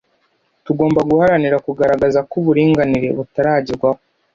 tugomba guharanira kugaragaza ko uburinganire butaragerwaho.